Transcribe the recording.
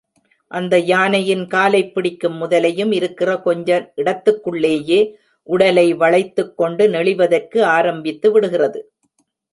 அந்த யானையின் காலைப் பிடிக்கும் முதலையும், இருக்கிற கொஞ்ச இடத்துக்குள்ளேயே உடலை வளைத்துக் கொண்டு நெளிவதற்கு ஆரம்பித்து விடுகிறது.